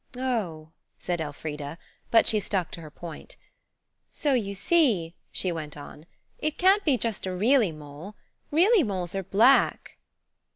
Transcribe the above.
"Oh!" said Elfrida–but she stuck to her point. "So you see," she went on, "it can't be just a really mole. Really moles are black."